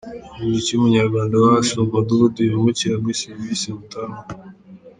Ni iki umunyarwanda wo hasi mu mudugudu yungukira muri serivisi mutanga?.